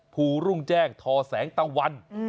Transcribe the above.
ภูรุ่งแจ้งทอแสงตะวัน